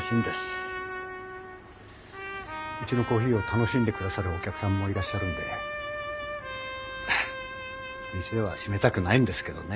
うちのコーヒーを楽しんで下さるお客さんもいらっしゃるんで店はしめたくないんですけどね。